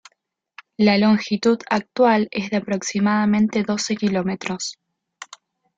La longitud actual es de aproximadamente doce kilómetros.